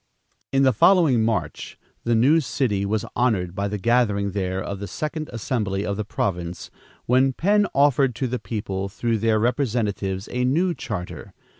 In the following March, the new city was honored by the gathering there of the second assembly of the province, when Penn offered to the people, through their representatives a new charter.